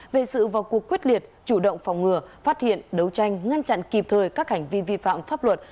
về sự vào cuộc quyết liệt chủ động phòng ngừa phát hiện đấu tranh ngăn chặn kịp thời các hành vi vi phạm pháp luật